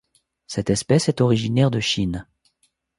Cette espèce est originaire de Chine.